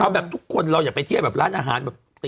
เอาแบบทุกคนเราให้ไปเที่ยบร้านอาหาร